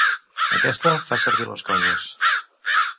Aquesta fa servir les coses.